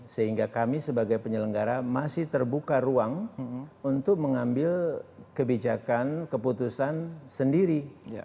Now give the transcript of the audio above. sehingga kami sebagai penyelenggara masih terbuka ruang untuk mengambil kebijakan keputusan sendiri